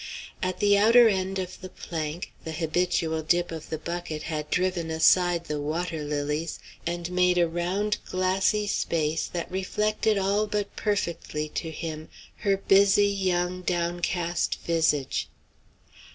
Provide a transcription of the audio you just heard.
At the outer end of the plank, the habitual dip of the bucket had driven aside the water lilies, and made a round, glassy space that reflected all but perfectly to him her busy, young, downcast visage.